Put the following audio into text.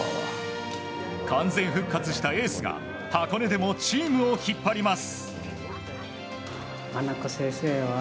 完全復活したエースが箱根でもチームを引っ張ります。